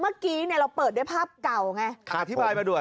เมื่อกี้เนี่ยเราเปิดด้วยภาพเก่าไงอธิบายมาด้วย